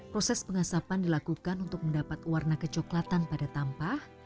proses pengasapan dilakukan untuk mendapat warna kecoklatan pada tampah